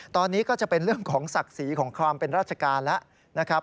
ตอนนี้ก็จะเป็นเรื่องของศักดิ์ศรีของความเป็นราชการแล้วนะครับ